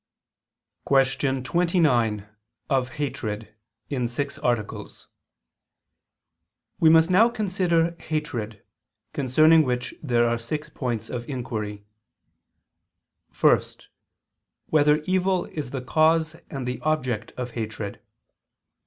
________________________ QUESTION 29 OF HATRED (In Six Articles) We must now consider hatred: concerning which there are six points of inquiry: (1) Whether evil is the cause and the object of hatred?